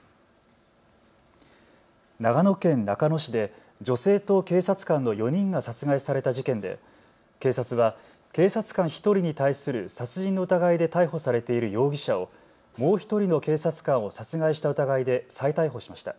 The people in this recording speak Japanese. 長野県中野市で女性と警察官の４人が殺害された事件で警察は警察官１人に対する殺人の疑いで逮捕されている容疑者をもう１人の警察官を殺害した疑いで再逮捕しました。